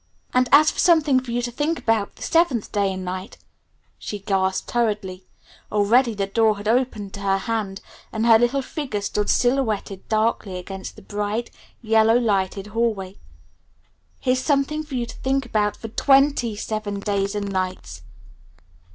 "And as for something for you to think about the seventh day and night," she gasped hurriedly. Already the door had opened to her hand and her little figure stood silhouetted darkly against the bright, yellow lighted hallway, "here's something for you to think about for twenty seven days and nights!"